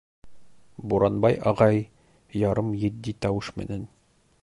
Буранбай ағай ярым етди тауыш менән: